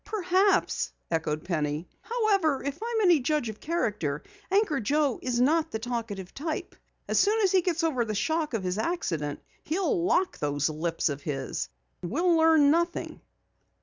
"Perhaps," echoed Penny. "However, if I am any judge of character, Anchor Joe isn't the talkative type. As soon as he gets over the shock of this accident, he'll lock those lips of his. We'll learn nothing."